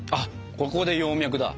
ここで葉脈だ。